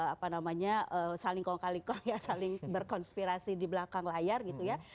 apa namanya saling kong kali kong ya saling berkonspirasi di belakang layar gitu ya